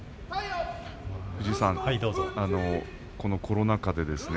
藤井さんこのコロナ禍でですね